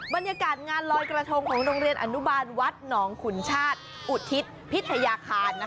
บรรยากาศงานลอยกระทงของโรงเรียนอนุบาลวัดหนองขุนชาติอุทิศพิทยาคาร